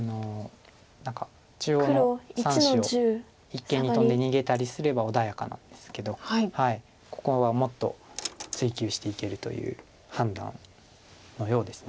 一間にトンで逃げたりすれば穏やかなんですけどここはもっと追及していけるという判断のようです。